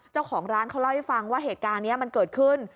เจ้าของร้านเขาเล่าให้ฟังว่าเหตุการณ์นี้มันเกิดขึ้น